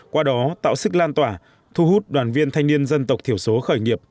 qua đó tạo sức lan tỏa thu hút đoàn viên thanh niên dân tộc thiểu số khởi nghiệp